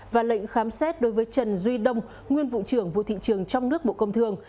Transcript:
và lệnh khám xét đối với trần duy đông nguyên vụ trưởng vụ thị trường trong nước bộ công thương